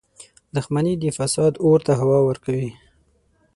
• دښمني د فساد اور ته هوا ورکوي.